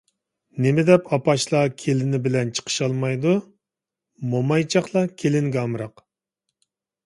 نېمىدەپ ئاپاشلار كېلىنى بىلەن چىقىشالمايدۇ؟ مومايچاقلار كېلىنگە ئامراق؟